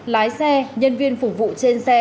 lái xe nhân viên phục vụ trên xe